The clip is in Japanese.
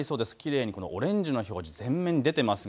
きれいにオレンジの表示。